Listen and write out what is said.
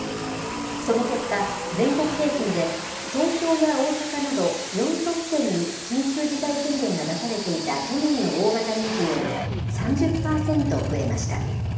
その結果、全国平均で東京や大阪など、４都府県に緊急事態宣言が出されていた去年の大型連休より３０％増えました。